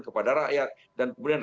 kepada rakyat dan kemudian